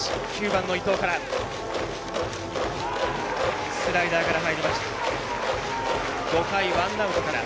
９番の伊藤から。